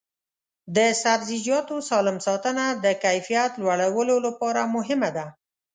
د سبزیجاتو سالم ساتنه د کیفیت لوړولو لپاره مهمه ده.